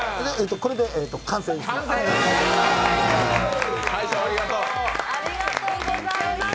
これで完成です。